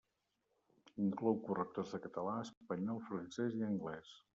Inclou correctors de català, espanyol, francès i anglès.